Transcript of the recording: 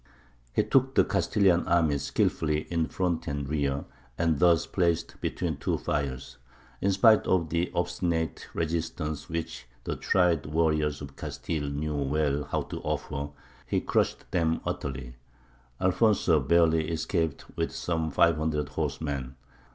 He took the Castilian army skilfully in front and rear, and, thus placed between two fires, in spite of the obstinate resistance which the tried warriors of Castile knew well how to offer, he crushed them utterly. Alfonso barely escaped with some five hundred horsemen.